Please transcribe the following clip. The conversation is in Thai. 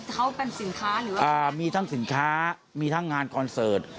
เขาเป็นสินค้าหรือว่ามีทั้งสินค้ามีทั้งงานคอนเสิร์ต